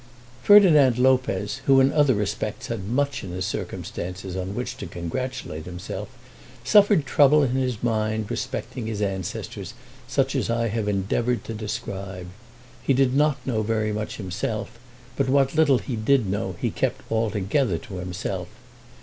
Ferdinand Lopez, who in other respects had much in his circumstances on which to congratulate himself, suffered trouble in his mind respecting his ancestors such as I have endeavoured to describe. He did not know very much himself, but what little he did know he kept altogether to himself.